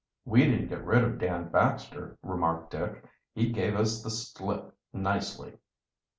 "We didn't get rid of Dan Baxter," remarked Dick. "He gave us the slip nicely."